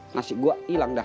ngasih gua ilang dah